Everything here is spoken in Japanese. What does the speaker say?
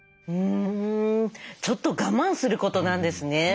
ちょっと我慢することなんですね。